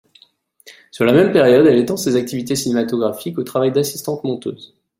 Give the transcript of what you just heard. Sur la même période, elle étend ses activités cinématographiques au travail d'assistante monteuse.